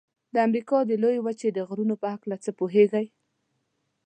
د امریکا د لویې وچې د غرونو په هکله څه پوهیږئ؟